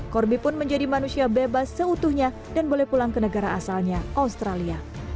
corby pun menjadi manusia bebas seutuhnya dan boleh pulang ke negara asalnya australia